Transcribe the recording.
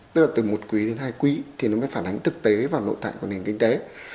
tức là từ một quý đến hai quý thì nó mới phản ánh thực tế và nội tại của nền kinh tế